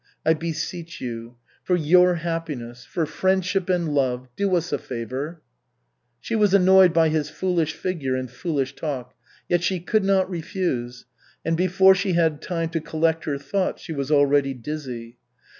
I beseech you. For your happiness, for friendship and love. Do us a favor." She was annoyed by his foolish figure and foolish talk, yet she could not refuse, and before she had time to collect her thoughts, she was already dizzy.